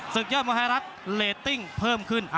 ยอดมวยไทยรัฐเรตติ้งเพิ่มขึ้น